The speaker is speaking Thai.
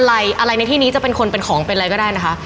อะไรในที่นี้จะเป็นคนเป็นของเป็นอะไรก็ได้นะคะ